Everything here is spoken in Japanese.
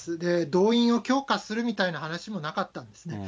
動員を強化するみたいな話もなかったですね。